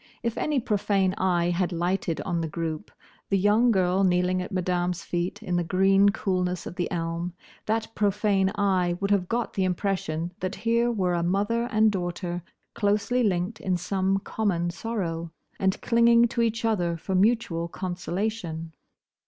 If any profane eye had lighted on the group—the young girl kneeling at Madame's feet in the green coolness of the elm; that profane eye would have got the impression that here were a mother and daughter closely linked in some common sorrow, and clinging to each other for mutual consolation.